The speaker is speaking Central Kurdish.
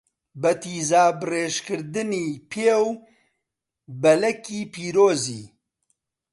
بە تیزابڕێژکردنی پێ و بەلەکی پیرۆزی